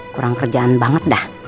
kurang kerjaan banget dah